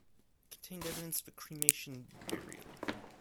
It contained evidence of a cremation burial.